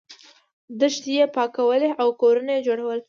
دښتې یې پاکولې او کورونه یې جوړول.